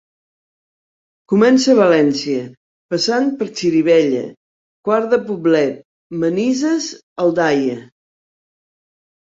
Comença a València, passant per Xirivella, Quart de Poblet, Manises, Aldaia.